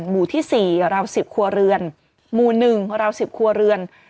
หมู่ที่สี่ราวสิบครัวเรือนหมู่หนึ่งราวสิบครัวเรือน